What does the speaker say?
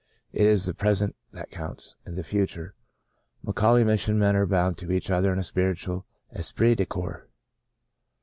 It is the present that counts — and the future. McAuley Mission men are bound to each other in a spiritual esprit de corps.